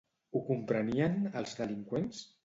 Ho comprenien, els delinqüents?